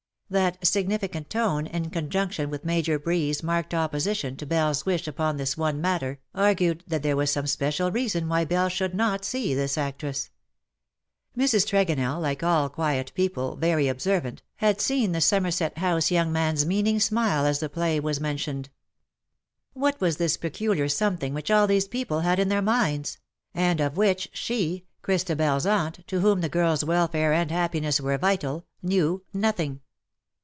That significant tone, in conjunction with Major Breed's marked opposition to Beliefs wish upon this one matter^ argued that there was some special reason why Belle should not sec this actress. Mrs. Tregonell^ like all quiet people, very observant, bad seen the Somerset House young man^s meaning smile as the play was mentioned. 536 LE SECRET DE POLICHINELLE. What was this peculiar something whicli all these people had in their minds ? and of whicli she^ Chris tabeFs aunt, to whom the girFs welfare and happi ness were vital^ knew nothing.